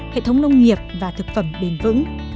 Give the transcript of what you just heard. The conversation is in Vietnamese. hệ thống nông nghiệp và thực phẩm bền vững